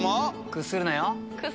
屈するなよ。